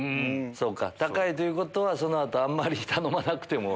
そうか高いということはその後あんまり頼まなくても。